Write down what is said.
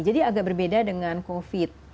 agak berbeda dengan covid